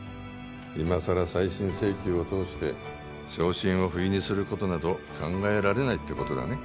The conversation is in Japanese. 今更再審請求を通して昇進をふいにすることなど考えられないってことだね